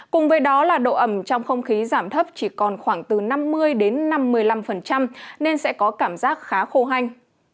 cùng với đó là độ ẩm trong không khí giảm thấp chỉ còn khoảng từ năm mươi đến năm mươi năm nên sẽ có cảm giác khá khô hành